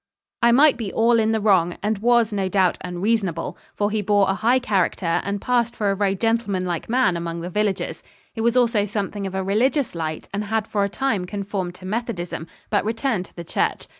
I might be all in the wrong and was, no doubt, unreasonable for he bore a high character, and passed for a very gentlemanlike man among the villagers. He was also something of a religious light, and had for a time conformed to Methodism, but returned to the Church.